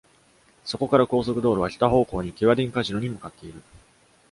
そこから、高速道路は北方向にケワディン・カジノに向かっている。